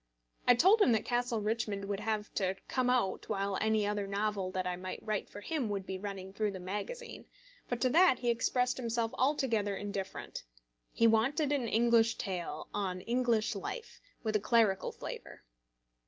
I told him that Castle Richmond would have to "come out" while any other novel that I might write for him would be running through the magazine; but to that he expressed himself altogether indifferent. He wanted an English tale, on English life, with a clerical flavour.